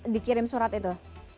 dikirim surat itu